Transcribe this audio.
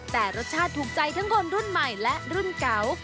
แต่รสชาติถูกใจทั้งคนรุ่นใหม่และรุ่นเก่า